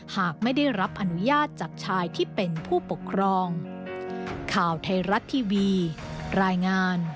หากไม่ได้รับอนุญาตจากชายที่เป็นผู้ปกครอง